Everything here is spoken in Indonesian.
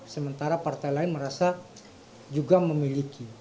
sementara partai lain merasa juga memiliki